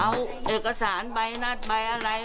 เอาเอกสารใบนัดใบอะไร